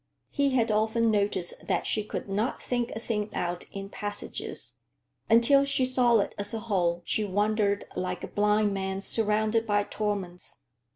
He had often noticed that she could not think a thing out in passages. Until she saw it as a whole, she wandered like a blind man surrounded by torments.